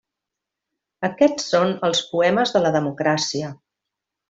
Aquests són els poemes de la democràcia.